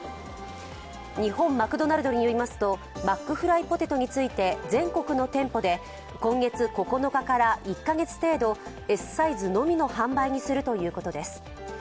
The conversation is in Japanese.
日本マクドナルドによりますと、マックフライポテトについて全国の店舗で今月９日から１カ月程度、Ｓサイズのみの販売にするということです。